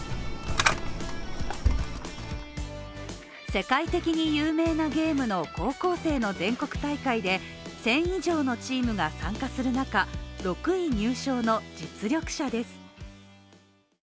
世界的に有名なゲームの高校生の全国大会で１０００以上のチームが参加する中、６位入賞の実力者です。